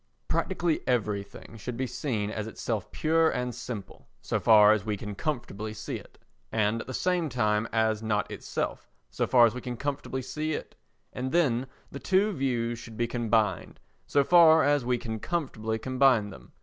Practically everything should be seen as itself pure and simple, so far as we can comfortably see it, and at the same time as not itself, so far as we can comfortably see it, and then the two views should be combined, so far as we can comfortably combine them.